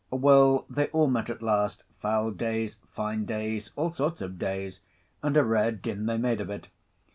Well, they all met at last, foul Days, fine Days, all sorts of Days, and a rare din they made of it.